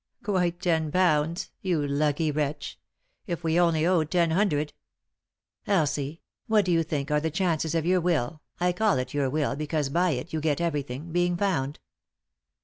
"Quite ten pounds I — you lucky wretch I If we only owed ten hundred 1 Elsie, what do you think are the chances of your will — I call it your will, because, by it, you get everything — being found